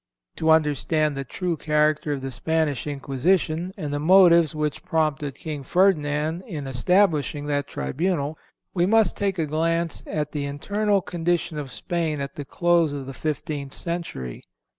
(320) To understand the true character of the Spanish Inquisition, and the motives which prompted King Ferdinand in establishing that tribunal, we must take a glance at the internal condition of Spain at the close of the fifteenth century.